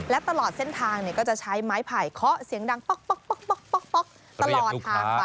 และตลอดเส้นทางเนี่ยก็จะใช้ไม้ผ่ายเคาะเสียงดังป๊อก